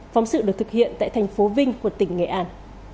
phóng sự được thực hiện tại thành phố vinh của tỉnh nghệ an